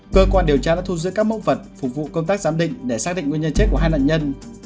cơ quan điều tra đã thu giữ các mẫu vật phục vụ công tác giám định để xác định nguyên nhân chết của hai nạn nhân